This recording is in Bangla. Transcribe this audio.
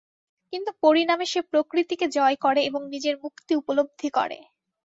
কিন্তু পরিণামে সে প্রকৃতিকে জয় করে এবং নিজের মুক্তি উপলব্ধি করে।